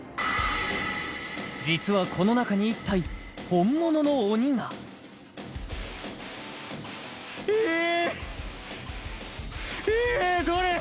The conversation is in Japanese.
実はこの中に１体本物の鬼がえーえーどれ？